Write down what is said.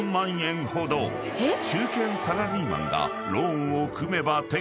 ［中堅サラリーマンがローンを組めば］